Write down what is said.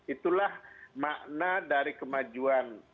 itulah makna dari kemajuan